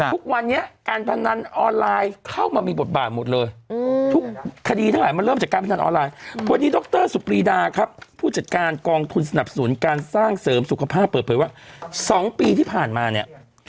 ทุกวันนี้การเซียบกันออลไลน์ขึ้นมันมาหมดเลย